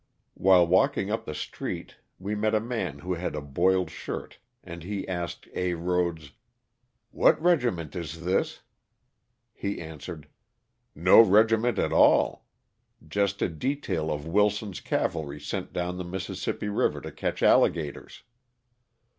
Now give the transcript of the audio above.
While walking up the street we met a man who had a boiled shirt and he asked A. Rhodes, '^ What regi ment is this ?" He answered, " No regiment at all ; just a detail of Wilson's cavalry sent down the Mississippi river to catch alligators."